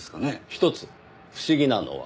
ひとつ不思議なのは。